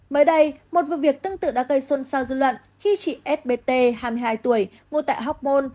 mới đây một vụ việc tương tự đã gây xôn xao dư luận khi chị sbt hai mươi hai tuổi ngồi tại hoc mon